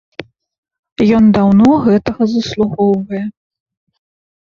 Ён даўно гэтага заслугоўвае.